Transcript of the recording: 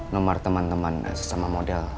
nomor teman teman sesama model